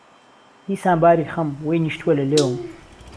دیسان باری خهم، وهی نیشتووه له لێوم